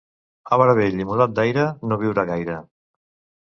Arbre vell i mudat d'aire, no viurà gaire.